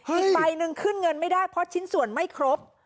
อีกใบหนึ่งขึ้นเงินไม่ได้เพราะชิ้นส่วนไม่ครบ